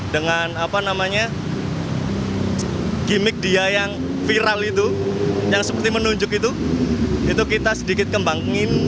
dengan apa namanya gimmick dia yang viral itu yang seperti menunjuk itu itu kita sedikit kembangin